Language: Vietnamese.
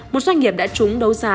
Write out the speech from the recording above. một doanh nghiệp đã chúng đấu giá